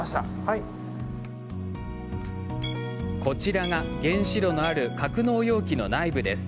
こちらが、原子炉のある格納容器の内部です。